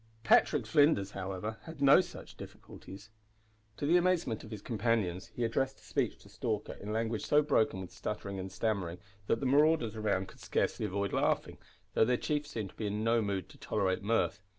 Patrick Flinders, however, had no such difficulties. To the amazement of his companions, he addressed a speech to Stalker in language so broken with stuttering and stammering that the marauders around could scarcely avoid laughing, though their chief seemed to be in no mood to tolerate mirth.